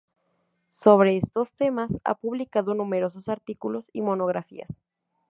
Sobre estos temas ha publicado numerosos artículos y monografías.